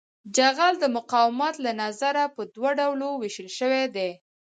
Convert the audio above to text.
جغل د مقاومت له نظره په دوه ډلو ویشل شوی دی